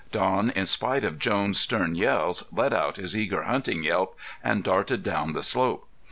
Don in spite of Jones' stern yells, let out his eager hunting yelp and darted down the slope.